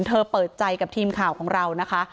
เธอเปิดใจกับทีมข่าวของเรานะคะ